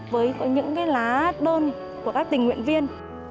với những lá đơn của các tình nguyện viên